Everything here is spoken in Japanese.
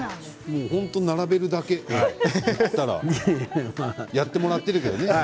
並べるだけと言ったらやってもらっているけどね